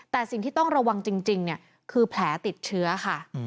แต่สิ่งที่ต้องระวังจริงคือแผลติดเชื้อค่ะ